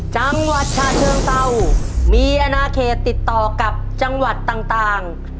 จังหวัดฉะเชิงเศร้ามีอนาเขตติดต่อกับจังหวัดต่าง